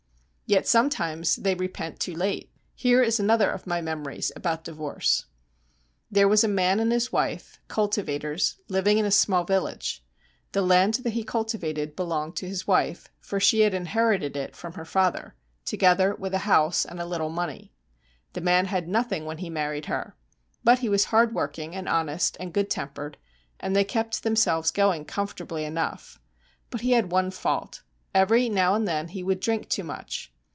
Yet sometimes they repent too late. Here is another of my memories about divorce: There was a man and his wife, cultivators, living in a small village. The land that he cultivated belonged to his wife, for she had inherited it from her father, together with a house and a little money. The man had nothing when he married her, but he was hardworking and honest and good tempered, and they kept themselves going comfortably enough. But he had one fault: every now and then he would drink too much.